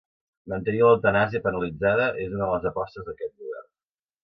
Mantenir l'eutanàsia penalitzada és una de les apostes d'aquest govern